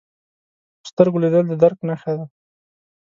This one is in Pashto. په سترګو لیدل د درک نښه ده